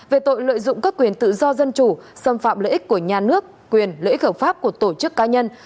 về tội lợi dụng các quyền tự do dân chủ xâm phạm lợi ích của nhà nước quyền lợi ích hợp pháp của tổ chức cá nhân